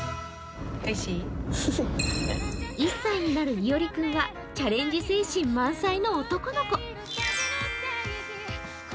１歳になるいおり君はチャレンジ精神満載の男の子。